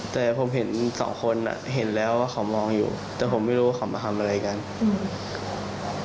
แต่ผมเห็นสองคนอ่ะเห็นแล้วว่าเขามองอยู่แต่ผมไม่รู้ว่าเขามาทำอะไรกันอืม